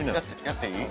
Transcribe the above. やっていい？